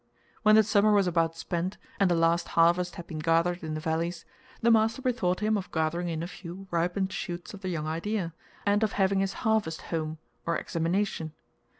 When the summer was about spent, and the last harvest had been gathered in the valleys, the master bethought him of gathering in a few ripened shoots of the young idea, and of having his Harvest Home, or Examination.